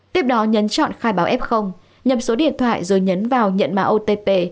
tiếp đó nhấn chọn khai báo f nhầm số điện thoại rồi nhấn vào nhận mã otp